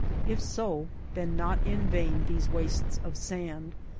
If so, then not in vain these wastes of sand.